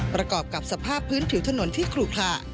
ประกอบกับสภาพพื้นผิวถนนที่ขลุขระ